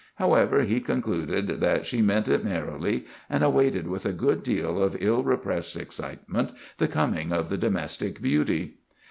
However, he concluded that she "meant it merrily," and awaited with a good deal of ill repressed excitement the coming of the domestic beauty.